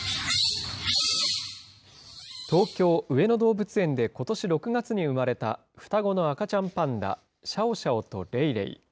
東京・上野動物園で、ことし６月に生まれた双子の赤ちゃんパンダ、シャオシャオとレイレイ。